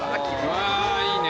わあいいね！